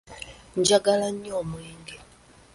Njagala nnyo omwenge.